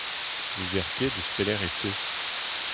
N'ouzer ket eus pelec'h e teu.